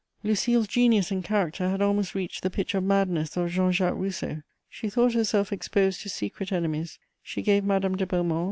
Lucile's genius and character had almost reached the pitch of madness of Jean Jacques Rousseau; she thought herself exposed to secret enemies: she gave Madame de Beaumont, M.